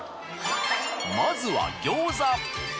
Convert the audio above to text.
まずは餃子。